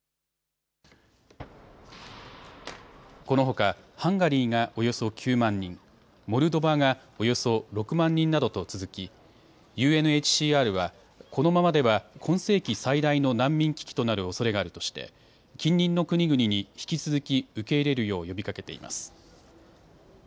このほかハンガリーがおよそ９万人、モルドバがおよそ６万人などと続き、ＵＮＨＣＲは、このままでは今世紀最大の難民危機となるおそれがあるとして近隣の国々に引き続き受け入れるよう呼びかけています。